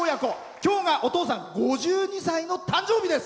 きょうがお父さん５２歳の誕生日です。